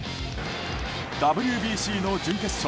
ＷＢＣの準決勝